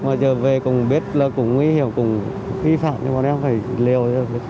mà giờ về cũng biết là cũng nguy hiểm cũng vi phạm nhưng bọn em phải liều rồi